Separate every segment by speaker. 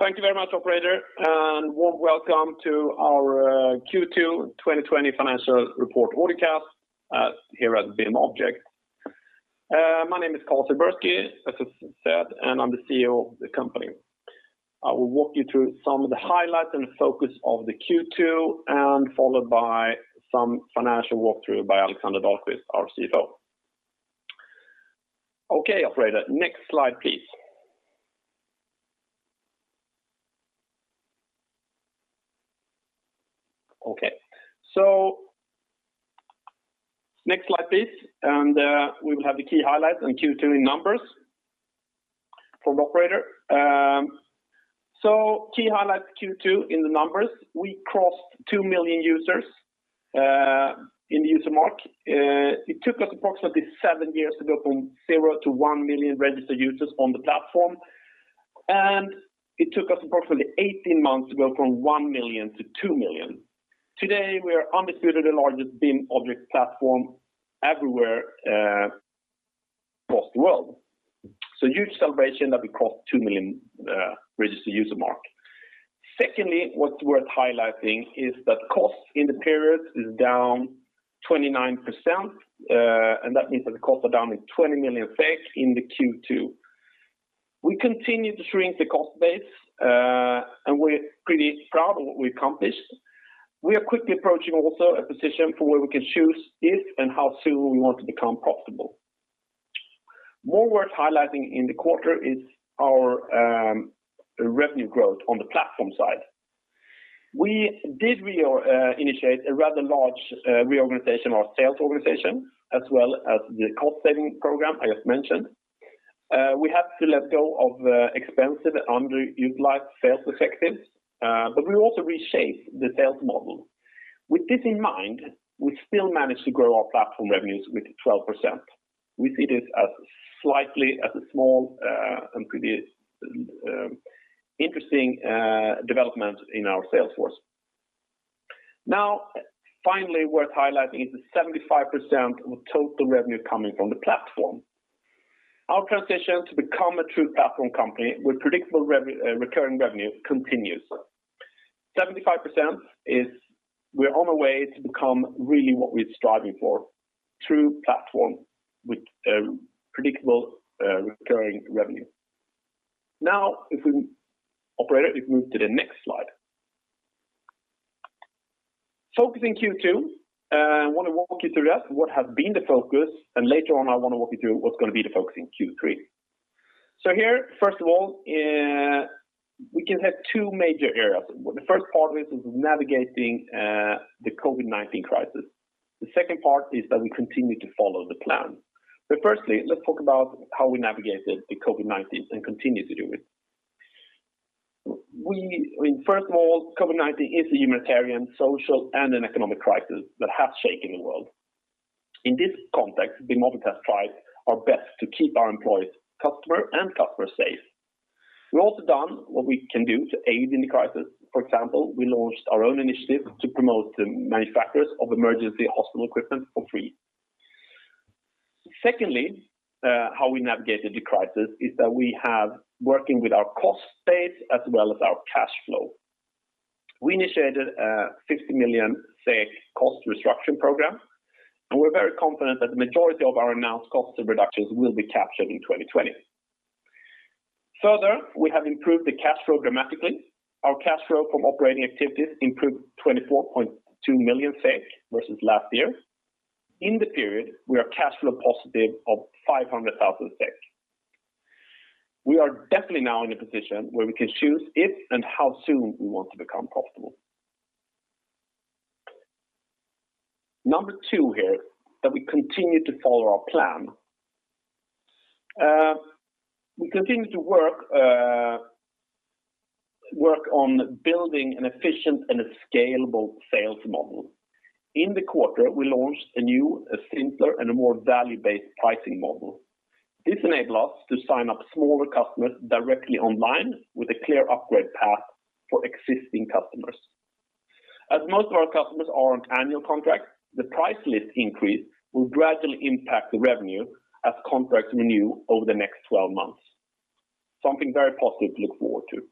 Speaker 1: Thank you very much, operator, and warm welcome to our Q2 2020 financial report audiocast here at BIMobject. My name is Carl-Seyfarth Berndtsson, as was said, and I am the CEO of the company. I will walk you through some of the highlights and focus of the Q2, followed by some financial walkthrough by Alexander Dahlquist, our CFO. Okay, operator, next slide, please. Okay. Next slide, please, and we will have the key highlights on Q2 in numbers from the operator. Key highlights, Q2 in the numbers, we crossed 2 million users in the user mark. It took us approximately 7 years to go from zero to 1 million registered users on the platform, and it took us approximately 18 months to go from 1 million to 2 million. Today, we are undisputed the largest BIM object platform everywhere across the world. Huge celebration that we crossed 2 million registered user mark. Secondly, what is worth highlighting is that costs in the period is down 29%, and that means that the costs are down with 20 million SEK in the Q2. We continue to shrink the cost base, and we are pretty proud of what we accomplished. We are quickly approaching also a position for where we can choose if and how soon we want to become profitable. More worth highlighting in the quarter is our revenue growth on the platform side. We did initiate a rather large reorganization, our sales organization, as well as the cost-saving program I just mentioned. We had to let go of expensive, underutilized sales executives, but we also reshaped the sales model. With this in mind, we still managed to grow our platform revenues with 12%. We see this as slightly as a small, and pretty interesting development in our sales force. Finally, worth highlighting is the 75% of total revenue coming from the platform. Our transition to become a true platform company with predictable recurring revenue continues. 75% is we are on our way to become really what we are striving for, true platform with predictable, recurring revenue. If we, operator, if we move to the next slide. Focus in Q2, I want to walk you through that, what has been the focus, and later on, I want to walk you through what is going to be the focus in Q3. Here, first of all, we can have 2 major areas. The first part of it is navigating the COVID-19 crisis. The second part is that we continue to follow the plan. Firstly, let's talk about how we navigated the COVID-19 and continue to do it. First of all, COVID-19 is a humanitarian, social, and an economic crisis that has shaken the world. In this context, BIMobject has tried our best to keep our employees and customers safe. We have also done what we can do to aid in the crisis. For example, we launched our own initiative to promote the manufacturers of emergency hospital equipment for free. Secondly, how we navigated the crisis is that we have working with our cost base as well as our cash flow. We initiated a 50 million SEK cost restructuring program, and we are very confident that the majority of our announced cost reductions will be captured in 2020. Further, we have improved the cash flow dramatically. Our cash flow from operating activities improved 24.2 million SEK versus last year. In the period, we are cash flow positive of 500,000 SEK. We are definitely now in a position where we can choose if and how soon we want to become profitable. Number 2 here, that we continue to follow our plan. We continue to work on building an efficient and a scalable sales model. In the quarter, we launched a new, simpler, and a more value-based pricing model. This enables us to sign up smaller customers directly online with a clear upgrade path for existing customers. As most of our customers are on annual contracts, the price list increase will gradually impact the revenue as contracts renew over the next 12 months. Something very positive to look forward to.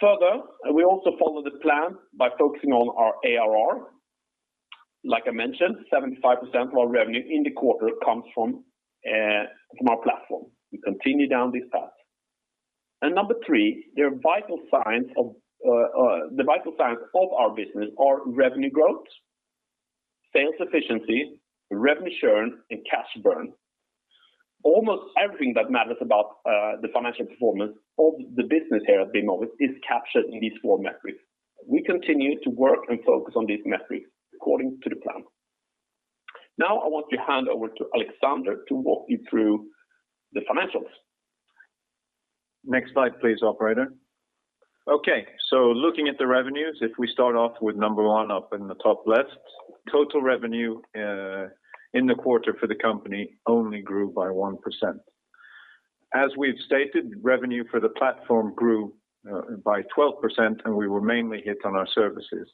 Speaker 1: Further, we also follow the plan by focusing on our ARR. Like I mentioned, 75% of our revenue in the quarter comes from our platform. We continue down this path. Number 3, the vital signs of our business are revenue growth, sales efficiency, revenue churn, and cash burn. Almost everything that matters about the financial performance of the business here at BIMobject is captured in these four metrics. We continue to work and focus on these metrics according to the plan. I want to hand over to Alexander to walk you through the financials.
Speaker 2: Next slide, please, operator. Looking at the revenues, if we start off with number 1 up in the top left, total revenue in the quarter for the company only grew by 1%. As we've stated, revenue for the platform grew by 12%, and we were mainly hit on our services.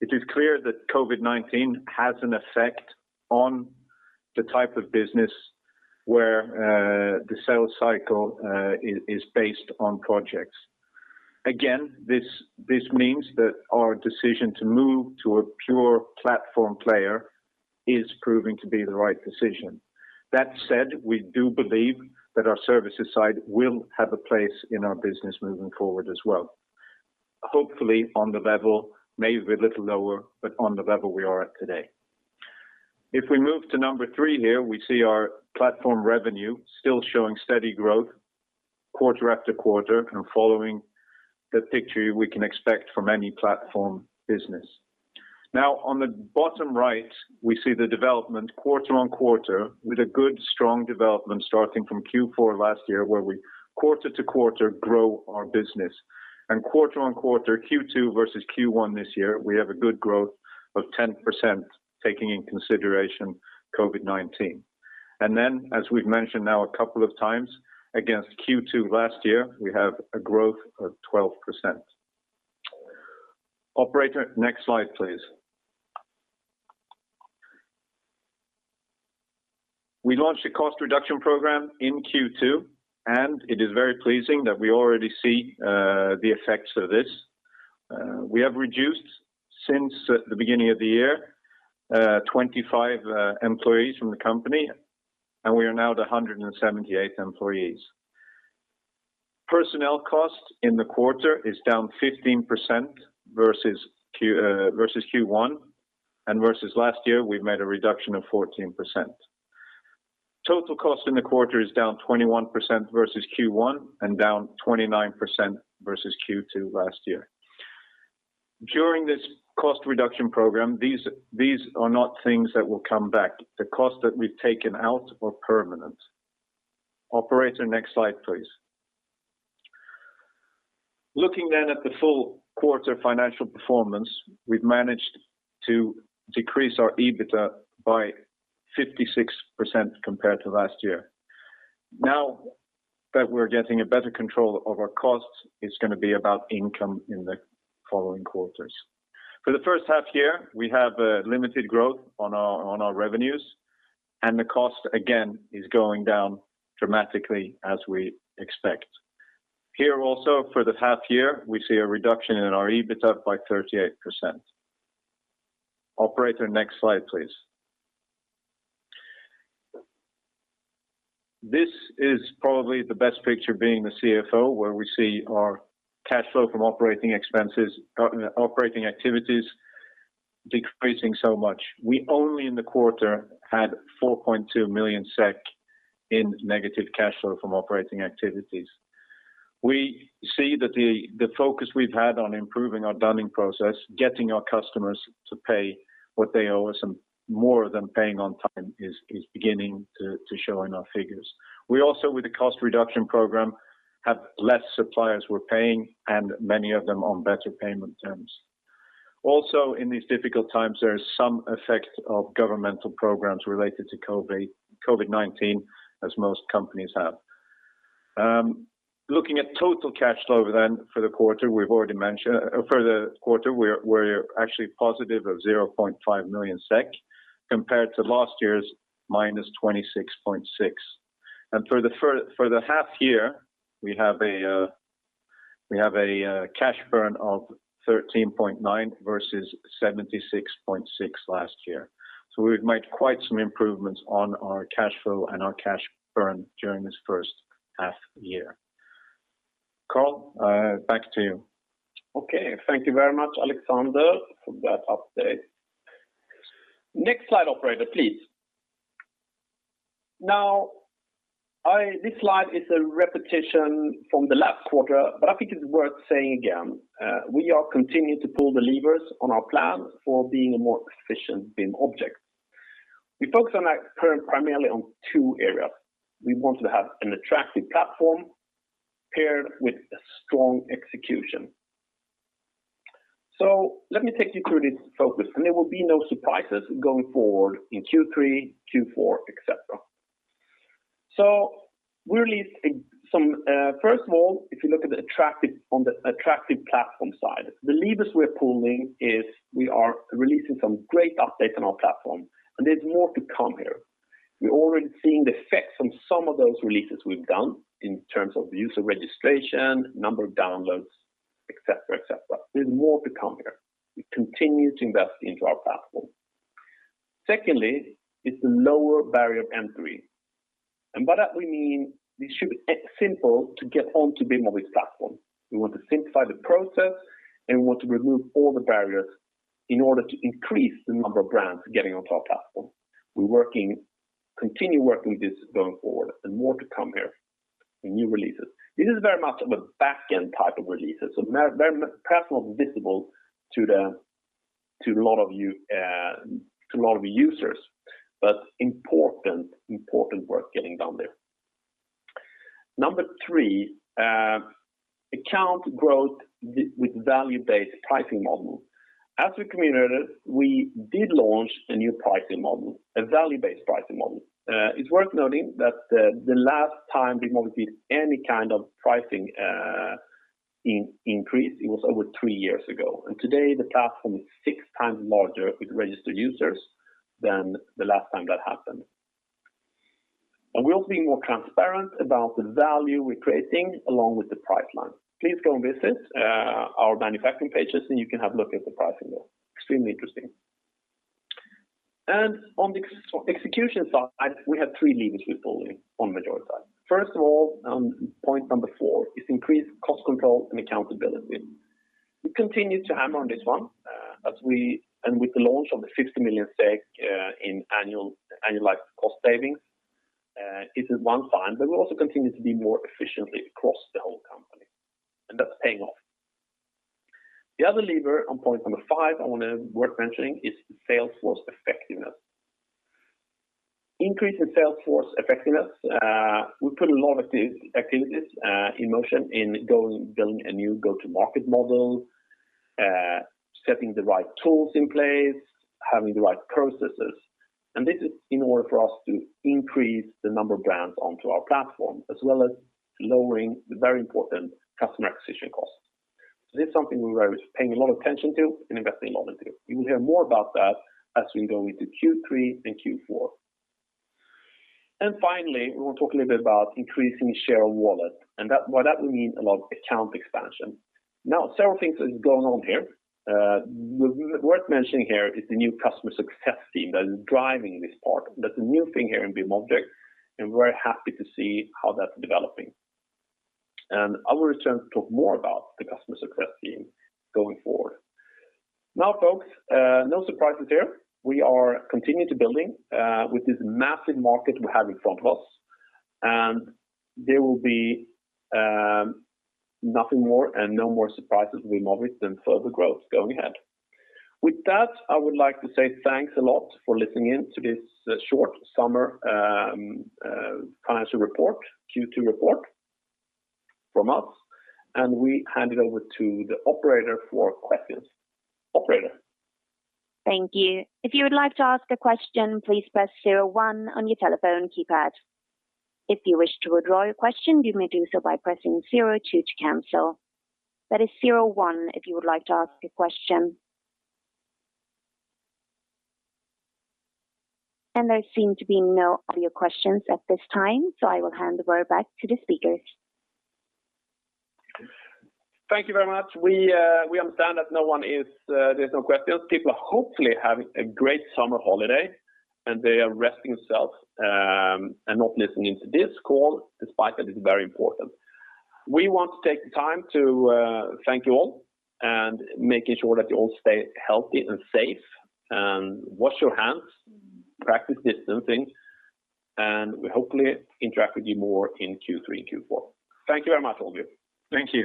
Speaker 2: It is clear that COVID-19 has an effect on the type of business where the sales cycle is based on projects. This means that our decision to move to a pure platform player is proving to be the right decision. That said, we do believe that our services side will have a place in our business moving forward as well. Hopefully on the level, maybe a little lower, but on the level we are at today. If we move to number 3 here, we see our platform revenue still showing steady growth quarter after quarter, and following the picture we can expect from any platform business. On the bottom right, we see the development quarter on quarter with a good strong development starting from Q4 last year, where we quarter to quarter grow our business. Quarter on quarter, Q2 versus Q1 this year, we have a good growth of 10% taking in consideration COVID-19. As we've mentioned now a couple of times, against Q2 last year, we have a growth of 12%. Operator, next slide, please. We launched a cost reduction program in Q2, and it is very pleasing that we already see the effects of this. We have reduced, since the beginning of the year, 25 employees from the company, and we are now at 178 employees. Personnel cost in the quarter is down 15% versus Q1, and versus last year, we've made a reduction of 14%. Total cost in the quarter is down 21% versus Q1, and down 29% versus Q2 last year. During this cost reduction program, these are not things that will come back. The costs that we've taken out are permanent. Operator, next slide, please. Looking then at the full quarter financial performance, we've managed to decrease our EBITDA by 56% compared to last year. Now that we're getting a better control of our costs, it's going to be about income in the following quarters. For the first half year, we have a limited growth on our revenues, and the cost, again, is going down dramatically as we expect. Here also for the half year, we see a reduction in our EBITDA by 38%. Operator, next slide, please. This is probably the best picture being the CFO, where we see our cash flow from operating activities decreasing so much. We only in the quarter had 4.2 million SEK in negative cash flow from operating activities. We see that the focus we've had on improving our dunning process, getting our customers to pay what they owe us and more of them paying on time is beginning to show in our figures. We also, with the cost reduction program, have less suppliers we're paying and many of them on better payment terms. Also in these difficult times, there is some effect of governmental programs related to COVID-19, as most companies have. Looking at total cash flow then for the quarter, we're actually positive of 0.5 million SEK, compared to last year's minus 26.6. For the half year, we have a cash burn of 13.9 versus 76.6 last year. We've made quite some improvements on our cash flow and our cash burn during this first half year. Carl, back to you.
Speaker 1: Okay. Thank you very much, Alexander, for that update. Next slide, operator, please. Now, this slide is a repetition from the last quarter, but I think it's worth saying again. We are continuing to pull the levers on our plan for being a more efficient BIMobject. We focus on that primarily on two areas. We want to have an attractive platform paired with a strong execution. Let me take you through this focus, and there will be no surprises going forward in Q3, Q4, et cetera. First of all, if you look on the attractive platform side, the levers we're pulling is we are releasing some great updates on our platform, and there's more to come here. We're already seeing the effects from some of those releases we've done in terms of user registration, number of downloads, et cetera. There's more to come here. We continue to invest into our platform. Secondly, it's the lower barrier of entry. By that we mean it should be simple to get onto BIMobject platform. We want to simplify the process, and we want to remove all the barriers in order to increase the number of brands getting onto our platform. We continue working this going forward, and more to come here in new releases. This is very much of a back-end type of releases, so personally visible to a lot of users, but important work getting done there. Number 3, account growth with value-based pricing model. As we communicated, we did launch a new pricing model, a value-based pricing model. It's worth noting that the last time BIMobject did any kind of pricing increase, it was over three years ago. Today the platform is six times larger with registered users than the last time that happened. We're also being more transparent about the value we're creating along with the price line. Please go and visit our manufacturing pages and you can have a look at the pricing there. Extremely interesting. On the execution side, we have three levers we pull in on the majority side. First of all, on point number 4, is increased cost control and accountability. We continue to hammer on this one, and with the launch of the 50 million SEK in annualized cost savings, this is one time, but we also continue to be more efficiently across the whole company, and that's paying off. The other lever on point number 5, I want to worth mentioning, is the sales force effectiveness. Increase in sales force effectiveness, we put a lot of activities in motion in building a new go-to-market model, setting the right tools in place, having the right processes. This is in order for us to increase the number of brands onto our platform, as well as lowering the very important customer acquisition costs. This is something we're very paying a lot attention to and investing a lot into. You will hear more about that as we go into Q3 and Q4. Finally, we will talk a little bit about increasing share of wallet, and that will mean a lot of account expansion. Now, several things is going on here. Worth mentioning here is the new customer success team that is driving this part. That's a new thing here in BIMobject, and we're very happy to see how that's developing. I will return to talk more about the customer success team going forward. Now, folks, no surprises here. We are continuing to building, with this massive market we have in front of us. There will be nothing more and no more surprises from BIMobject than further growth going ahead. With that, I would like to say thanks a lot for listening in to this short summer financial report, Q2 report from us, and we hand it over to the operator for questions. Operator.
Speaker 3: Thank you. If you would like to ask a question, please press 01 on your telephone keypad. If you wish to withdraw your question, you may do so by pressing 02 to cancel. That is 01 if you would like to ask a question. There seem to be no audio questions at this time, so I will hand the word back to the speakers.
Speaker 1: Thank you very much. We understand that there's no questions. People are hopefully having a great summer holiday, and they are resting themselves, and not listening to this call, despite that it's very important. We want to take the time to thank you all, and making sure that you all stay healthy and safe, and wash your hands, practice distancing, and we hopefully interact with you more in Q3 and Q4. Thank you very much all of you.
Speaker 3: Thank you